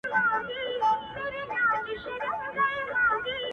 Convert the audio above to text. زه وايم; زه دې ستا د زلفو تور ښامار سم؛ ځکه;